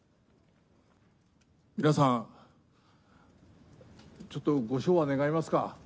皆さん、ちょっとご唱和願えますか？